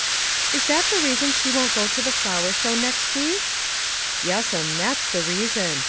" Is that the reason she won't go to the flower show next week ?" "Yes'm, that's the reason.